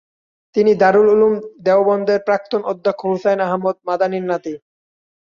তিনি দারুল উলুম দেওবন্দের প্রাক্তন অধ্যক্ষ হুসাইন আহমদ মাদানির নাতি।